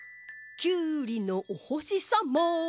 きゅうりのおほしさま。